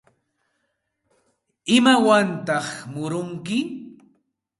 ¿Imawantaq murunki?